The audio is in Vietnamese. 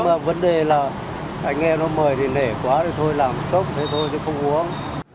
thế nhưng mà vấn đề là anh em nó mời thì lẻ quá thế thôi làm cốc thế thôi chứ không uống